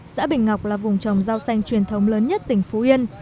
xã bình ngọc là vùng trồng rau xanh truyền thống lớn nhất tỉnh phú yên